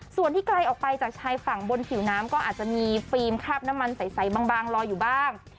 ส่วนที่ไกลออกไปจากชายฝั่งบนผิวน้ำก็อาจจะมีฟิล์มคราบน้ำมันใสบางลอยอยู่บ้าง